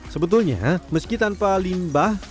sebetulnya meski tanpa limbah